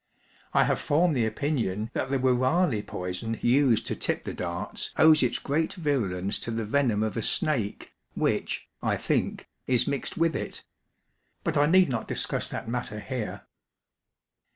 I have formed the opinion that the woorali poison used to tip the darts owes its great virulence to the venom of a snake which, I think, is mixe^jl with it ; but I need not discuss that matter here.